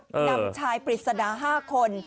นำชายปริศนา๕คน